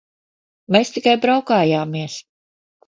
Mēs tikai braukājāmies.